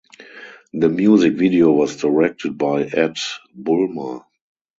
The music video was directed by Ed Bulmer.